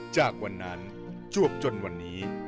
จากวันนั้นจวบจนวันนี้